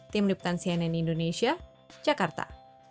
tim liputan cnn indonesia jakarta